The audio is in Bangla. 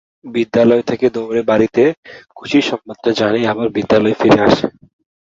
বিদ্যালয় থেকে দৌড়ে বাড়িতে খুশির সংবাদটা জানিয়ে আবার বিদ্যালয়ে ফিরে আসে।